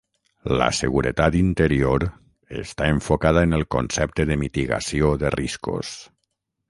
La seguretat interior està enfocada en el concepte de mitigació de riscos.